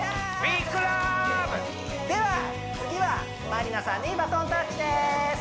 では次はまりなさんにバトンタッチです